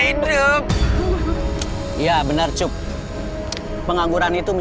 iya itu dia